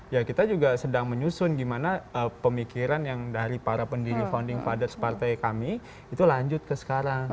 ya kita juga sedang menyusun gimana pemikiran yang dari para pendiri founding fathers partai kami itu lanjut ke sekarang